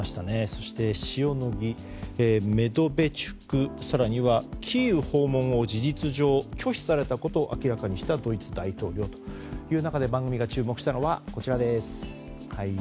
そして、シオノギメドベチュク更にはキーウ訪問を事実上、拒否したことを明らかにしたドイツ大統領とある中で番組が注目したのはこちらです。